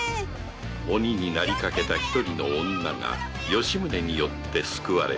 鬼になりかけた一人の女が吉宗によって救われた